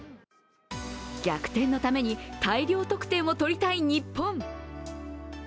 逆転のために大量得点を取りたい日本。